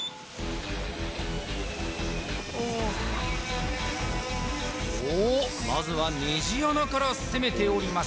おまずはネジ穴から攻めております